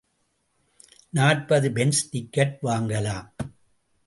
நாற்பது pence ticket வாங்கலாம்.